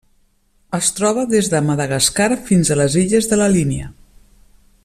Es troba des de Madagascar fins a les illes de la Línia.